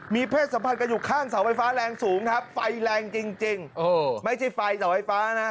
มีเพศสัมพันธ์กันอยู่ข้างเสาไฟฟ้าแรงสูงครับไฟแรงจริงไม่ใช่ไฟเสาไฟฟ้านะ